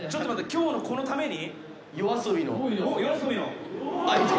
今日のこのために？」